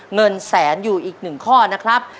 ๑นิทยาละอย่างอยู่อีก๑ข้อนะครับ